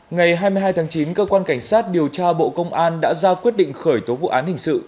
ngày hai mươi hai tháng chín cơ quan cảnh sát điều tra bộ công an đã ra quyết định khởi tố vụ án hình sự